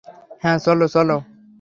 হ্যাঁ, চলো চলো।